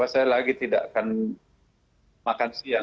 saya lagi tidak akan makan siang